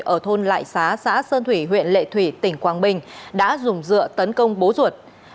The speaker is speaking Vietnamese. ở thôn lại xá xã sơn thủy huyện lệ thủy tỉnh quảng bình đã dùng dựa tấn công bố ruột